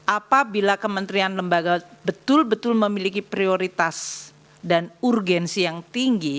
apabila kementerian lembaga betul betul memiliki prioritas dan urgensi yang tinggi